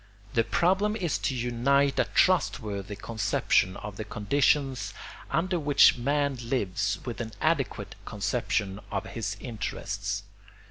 The problem is to unite a trustworthy conception of the conditions under which man lives with an adequate conception of his interests.